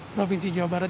provinsi jawa barat